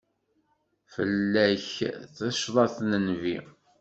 Fell-ak tacḍaḍt n Nnbi.